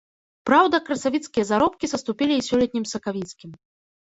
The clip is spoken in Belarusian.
Праўда, красавіцкія заробкі саступілі і сёлетнім сакавіцкім.